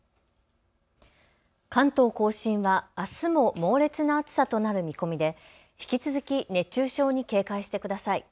関東甲信はあすも猛烈な暑さとなる見込みで引き続き熱中症に警戒してください。